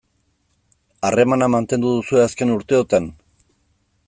Harremana mantendu duzue azken urteotan?